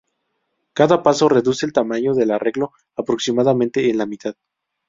Cada paso reduce el tamaño del arreglo aproximadamente en la mitad.